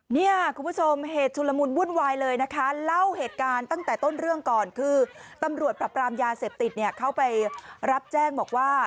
เนี่ยคุณผู้ชมเหตุชุลมุนวุ่นวายเลยนะคะเล่าเหตุการณ์ตั้งแต่ต้นเรื่องก่อนคือตำรวจปรับปรามยาเสพติดเนี่ยเขาไปรับแจ้งบอกว่า